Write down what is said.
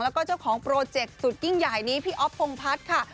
แล้วก็เจ้าของโปรเจกต์สุดยิ่งใหญ่นี้พี่อ๊อฟพงพัฒน์ค่ะ